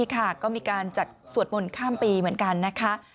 ก็มีการจัดสวดมนต์ข้ามปีเหมือนกันนะคะ